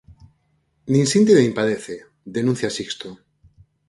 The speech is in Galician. "Nin sinte nin padece", denuncia Sixto.